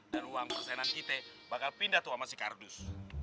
dan uang persenan kita bakal pindah tuh sama si kardus